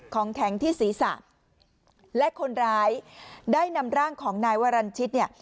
ของแข็งที่ศีรษะและคนร้ายได้นำร่างของนายวรรณชิตเนี่ย